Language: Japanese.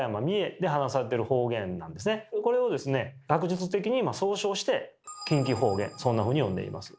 学術的に総称して「近畿方言」そんなふうに呼んでいます。